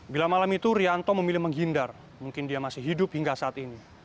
bila malam itu rianto memilih menghindar mungkin dia masih hidup hingga saat ini